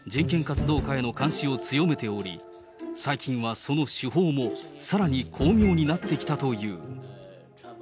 習政権は、人権活動家への監視を強めており、最近はその手法もさらに巧妙になってきたという。